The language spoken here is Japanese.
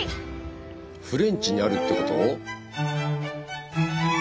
フレンチにあるってこと？